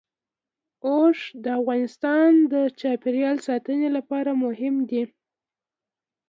اوښ د افغانستان د چاپیریال ساتنې لپاره مهم دي.